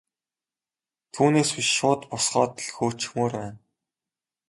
Түүнээс биш шууд босгоод л хөөчихмөөр байна.